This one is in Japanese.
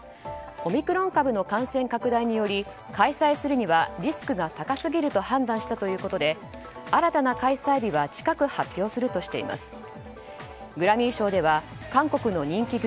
オミクロン株の感染拡大により開催するにはリスクが高すぎると判断したということで新たな開催日は近く発表するとしています。